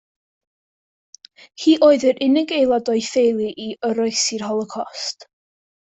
Hi oedd yr unig aelod o'i theulu i oroesi'r Holocost.